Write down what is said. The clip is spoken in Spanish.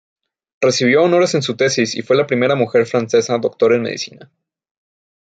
Recibió honores en su tesis y fue la primera mujer francesa Doctor en Medicina.